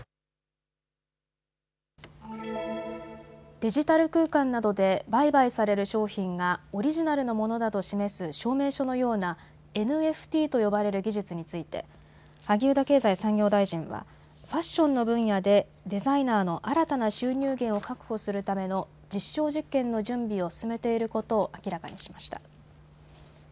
デジタル空間などで売買される商品がオリジナルのものだと示す証明書のようなＮＦＴと呼ばれる技術について萩生田経済産業大臣はファッションの分野でデザイナーの新たな収入源を確保するための実証実験の準備を進めていることを明らかにしました。